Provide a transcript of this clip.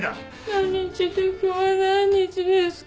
何日って今日は何日ですか？